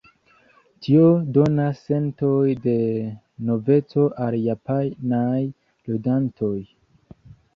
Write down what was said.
Tio donas senton de noveco al japanaj ludantoj.